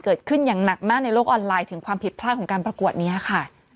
เกิดขึ้นอย่างหนักมากในโลกออนไลน์ถึงความผิดพลาดของการประกวดนี้ค่ะ